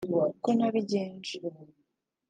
uko nabigenje